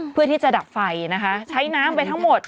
เพื่อที่จะดับไฟนะคะใช้น้ำไปทั้งหมด